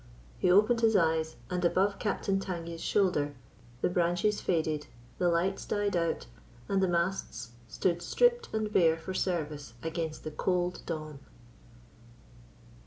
He opened his eyes, and above Captain Tangye's shoulder the branches faded, the lights died out, and the masts stood stripped and bare for service against the cold dawn.